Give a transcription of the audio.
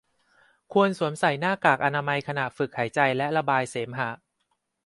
ควรสวมใส่หน้ากากอนามัยขณะฝึกหายใจและระบายเสมหะ